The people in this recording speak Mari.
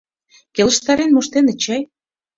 Келыштарен моштеныт чай...